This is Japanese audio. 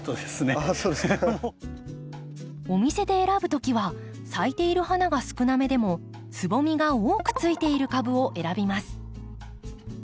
あそうですか。お店で選ぶ時は咲いている花が少なめでもつぼみが多くついている株を選びます。